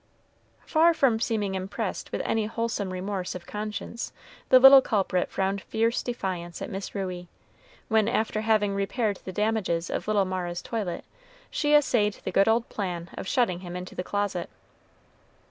Far from seeming impressed with any wholesome remorse of conscience, the little culprit frowned fierce defiance at Miss Ruey, when, after having repaired the damages of little Mara's toilet, she essayed the good old plan of shutting him into the closet.